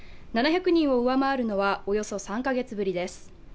７００人を上回るのはおよそ３カ月ぶりです。